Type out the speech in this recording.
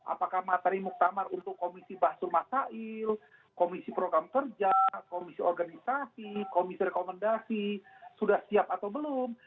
apakah materi muktamar untuk komisi basur masail komisi program kerja komisi organisasi komisi rekomendasi sudah siap atau belum